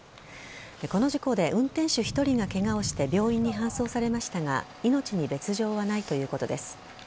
この事故で運転手１人がケガをして病院に搬送されましたが命に別条はないということです。